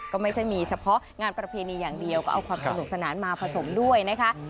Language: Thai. ก็ไม่ใช่มีเฉพาะงานประเพณีอย่างเดียวก็เอาความสนุกสนานมาผสมด้วยนะคะ